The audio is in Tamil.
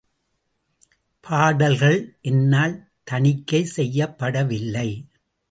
பாடல்கள் என்னால் தணிக்கை செய்யப்படவில்லை.